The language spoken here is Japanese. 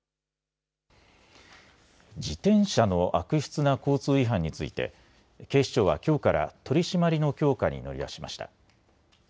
自転車の悪質な交通違反について警視庁はきょうから取締りの強化に乗り出しました。